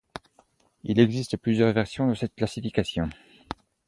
Il existe plusieurs versions de cette classification.